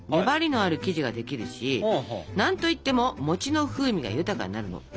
粘りのある生地ができるし何といっても餅の風味が豊かになるの。